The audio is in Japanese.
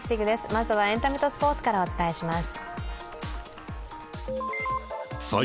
まずはエンタメとスポーツからお伝えします。